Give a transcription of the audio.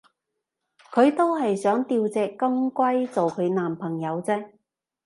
佢都係想吊隻金龜做佢男朋友啫